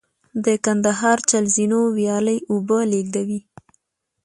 د کندهار چل زینو ویالې اوبه لېږدوي